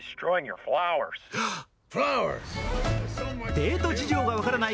デート事情が分からない